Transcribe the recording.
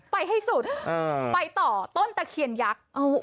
ไปให้สุดไปต่อต้นตะเคียนยักษ์